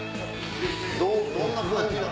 どんな感じなん？